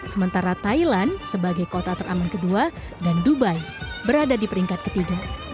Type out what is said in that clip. sementara thailand sebagai kota teraman kedua dan dubai berada di peringkat ketiga